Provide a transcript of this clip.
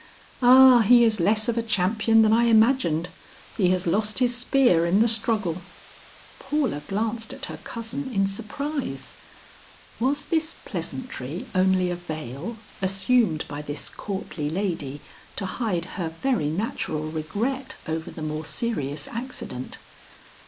"Ah he is less of a champion than I imagined; he has lost his spear in the struggle." Paula glanced at her cousin in surprise. Was this pleasantry only a veil assumed by this courtly lady to hide her very natural regret over the more serious accident?